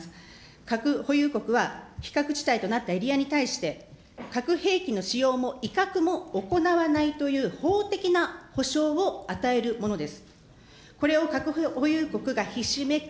核保有国は非核地帯となったエリアに対して、核兵器の使用も威嚇も行わないという法的な保障を与えるものです。